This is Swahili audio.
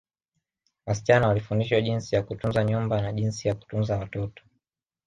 Wasichana walifundishwa jinsi ya kutunza nyumba na jinsi ya kutunza watoto